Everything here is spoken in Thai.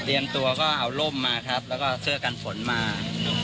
ตัวก็เอาร่มมาครับแล้วก็เสื้อกันฝนมา